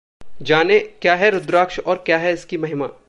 जानें, क्या है रुद्राक्ष और क्या है इसकी महिमा?